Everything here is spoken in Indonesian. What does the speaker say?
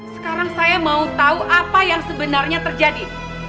sekarang saya mau tahu apa yang sebenarnya terjadi